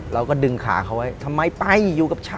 เราก็ดึงขาเขาไว้ทำไมไปอยู่กับฉัน